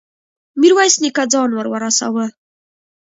ميرويس نيکه ځان ور ورساوه.